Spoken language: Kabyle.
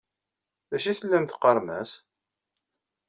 D acu i tellam teqqaṛem-as?